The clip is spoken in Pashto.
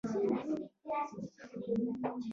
دا لړۍ د کریسټف کولمب لخوا تر کشف وروسته پیل شوه.